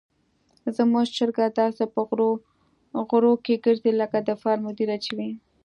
زموږ چرګه داسې په غرور ګرځي لکه د فارم مدیره چې وي.